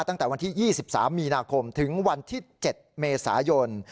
ตั้งแต่วันที่๒๓มีนาคมถึงวันที่๗เมษายน